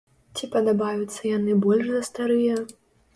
Ці падабаюцца яны больш за старыя?